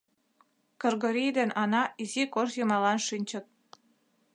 Кыргорий ден Ана изи кож йымалан шинчыт.